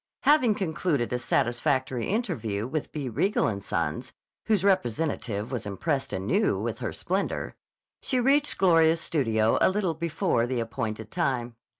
Having concluded a satisfactory interview with B. Riegel & Sons (whose representative was impressed anew with her splendor) she reached Gloria's studio a little before the appointed time.